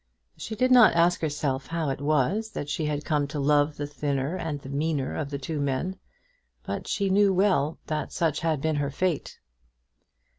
She did not ask herself how it was that she had come to love the thinner and the meaner of the two men, but she knew well that such had been her fate.